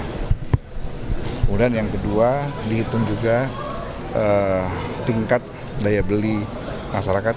kemudian yang kedua dihitung juga tingkat daya beli masyarakat